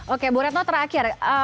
oke boleh tahu terakhir